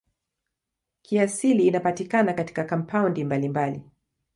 Kiasili inapatikana katika kampaundi mbalimbali.